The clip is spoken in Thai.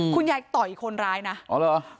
คุณยายต่อยคนร้ายน่ะอ๋อเหรอ